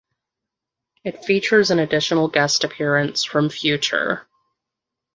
It features an additional guest appearance from Future.